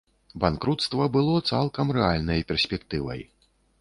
Банкруцтва было цалкам рэальнай перспектывай.